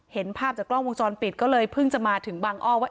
เห็นภาพจากกล้องวงจรปิดก็เลยเพิ่งจะมาถึงบางอ้อว่า